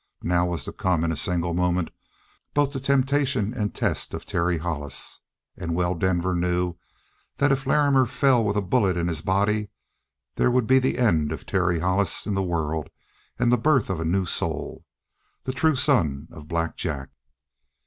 Now was to come, in a single moment, both the temptation and the test of Terry Hollis, and well Denver knew that if Larrimer fell with a bullet in his body there would be an end of Terry Hollis in the world and the birth of a new soul the true son of Black Jack!